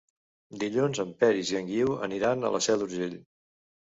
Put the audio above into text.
Dilluns en Peris i en Guiu aniran a la Seu d'Urgell.